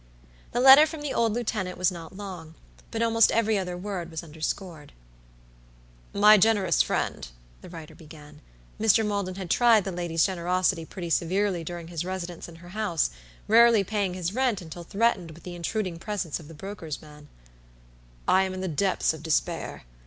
The letter from the old lieutenant was not long, but almost every other word was underscored. "My generous friend," the writer beganMr. Maldon had tried the lady's generosity pretty severely during his residence in her house, rarely paying his rent until threatened with the intruding presence of the broker's man"I am in the depths of despair.